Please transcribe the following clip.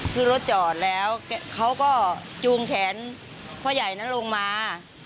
คือรถจอดแล้วเขาก็จูงแขนพ่อใหญ่นั้นลงมา